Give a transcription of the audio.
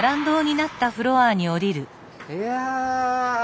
いや！